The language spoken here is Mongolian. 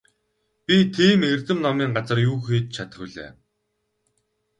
Би тийм эрдэм номын газар юу хийж чадах билээ?